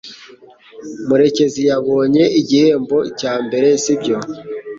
murekezi yabonye igihembo cya mbere, sibyo?